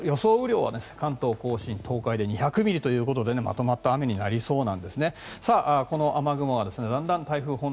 雨量は関東・甲信、東海で２００ミリということでまとまった雨になりそうなんです。